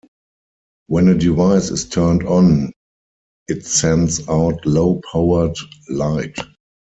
When a device is turned on, it sends out low powered light.